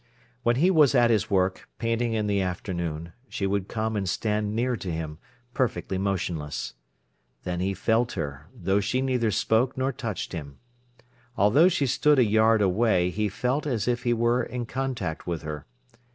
When he was at his work, painting in the afternoon, she would come and stand near to him, perfectly motionless. Then he felt her, though she neither spoke nor touched him. Although she stood a yard away he felt as if he were in contact with her.